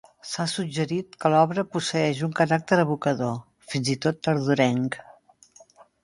S'ha suggerit que l'obra posseeix un caràcter evocador, fins i tot tardorenc.